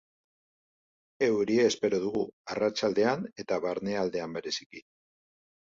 Euria espero dugu, arratsaldean eta barnealdean bereziki.